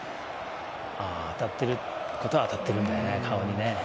当たっていることは当たっているんだよね、顔にね。